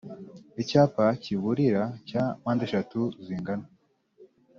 icyapa kiburira cya mpandeshatu zingana